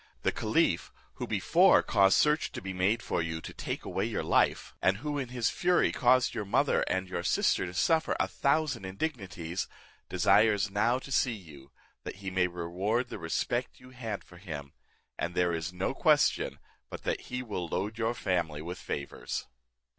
"The caliph, who before caused search to be made for you, to take away your life, and who in his fury caused your mother and your sister to suffer a thousand indignities, desires now to see you, that he may reward the respect you had for him; and there is no question but that he will load your family with favours."